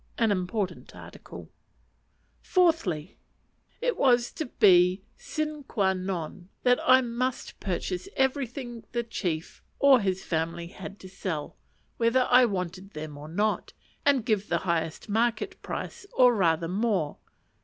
(An important article.) Fourthly. It was to be a sine quâ non that I must purchase everything the chief or his family had to sell, whether I wanted them or not, and give the highest market price, or rather more.